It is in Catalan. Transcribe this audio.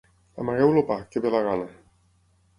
Amagueu el pa, que ve la gana.